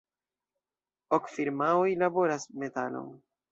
Ok firmaoj laboras metalon.